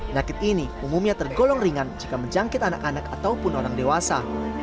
nyakit ini umumnya tergolong ringan jika menjangkit anak anak ataupun orang dewasa